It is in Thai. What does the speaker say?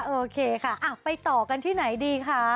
โอเคค่ะไปต่อกันที่ไหนดีคะ